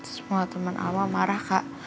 semua temen alma marah kak